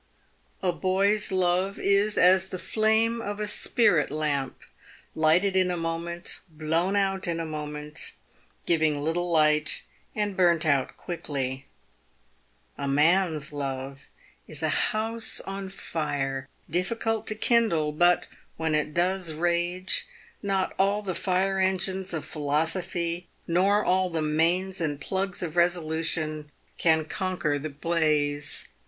A boy's love is as the flame of a spirit lamp — lighted in a moment, blown out in a moment ; giving little light, and burnt out quickly. A man's love is a house on fire, difficult to kindle — but, when it does rage, not all the fire engines of philosophy, nor all the mains and plugs of resolution, can conquer the blaze.